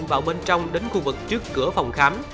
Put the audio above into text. vào bên trong đến khu vực trước cửa phòng khám